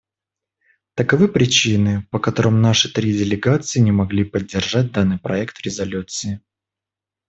Таковы причины, по которым наши три делегации не могли поддержать данный проект резолюции.